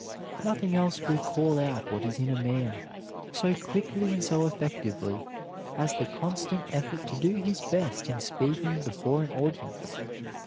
Nothing else will call out what is in a man so quickly and so effectively as the constant effort to do his best in speaking before an audience.